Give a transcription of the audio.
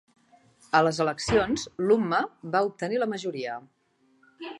A les eleccions l'Umma va obtenir la majoria.